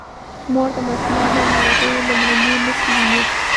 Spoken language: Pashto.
مور د ماشوم د ناروغۍ لومړنۍ نښې ويني.